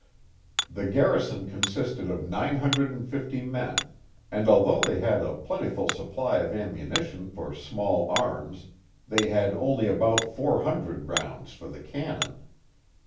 The garrison consisted of 950 men, and although they had a plentiful supply of ammunition for small arms, they had only about four hundred rounds for the can non.